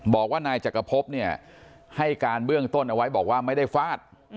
บอกว่านายจักรพบเนี่ยให้การเบื้องต้นเอาไว้บอกว่าไม่ได้ฟาด